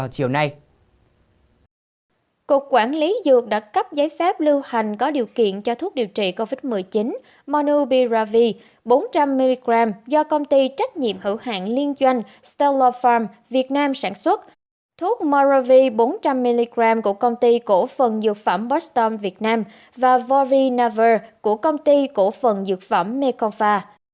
cục quản lý dược đã cấp giấy phép lưu hành có điều kiện cho thuốc điều trị covid một mươi chín monubiravir bốn trăm linh mg do công ty trách nhiệm hữu hạng liên doanh stellar farm việt nam sản xuất thuốc moravir bốn trăm linh mg của công ty cổ phần dược phẩm boston việt nam và vorinavir của công ty cổ phần dược phẩm meconfa